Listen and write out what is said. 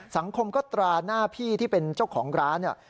สังคมก็ตราหน้าพี่ที่เป็นเจ้าของร้านเนี่ย